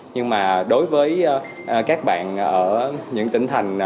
nhưng mà đối với các bạn ở những tỉnh thành